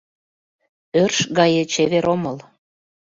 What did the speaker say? Ӧрш гае чевер омыл.